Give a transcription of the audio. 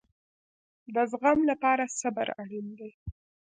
د زغم لپاره صبر اړین دی